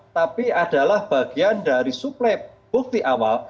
tapi adalah bagian dari suplai bukti awal